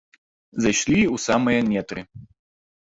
Зайшлі ў самыя нетры.